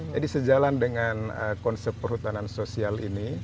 jadi sejalan dengan konsep perhutanan sosial ini